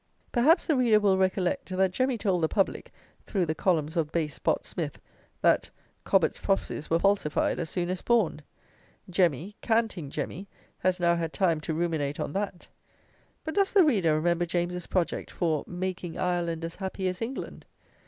Perhaps the reader will recollect, that Jemmy told the public, through the columns of base Bott Smith, that "Cobbett's prophecies were falsified as soon as spawned." Jemmy, canting Jemmy, has now had time to ruminate on that! But does the reader remember James's project for "making Ireland as happy as England"?